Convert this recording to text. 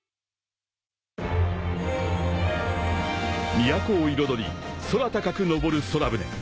［都を彩り空高く昇る空船］